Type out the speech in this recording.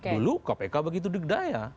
dulu kpk begitu dikedaya